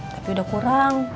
tapi udah kurang